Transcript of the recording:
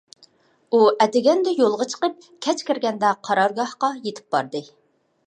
ئۇ ئەتىگەندە يولغا چىقىپ، كەچ كىرگەندە قارارگاھقا يېتىپ باردى.